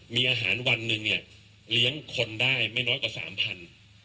มีอาหารวันหนึ่งเนี่ยเลี้ยงคนได้ไม่น้อยกว่าสามพัน